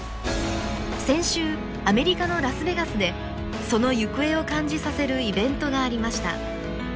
先週アメリカのラスベガスでその行方を感じさせるイベントがありました。